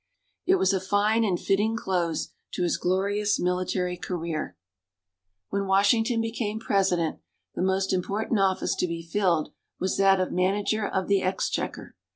It was a fine and fitting close to his glorious military career. When Washington became President, the most important office to be filled was that of manager of the exchequer.